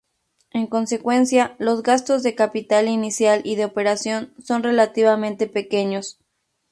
En consecuencia, los gastos de capital inicial y de operación son relativamente pequeños.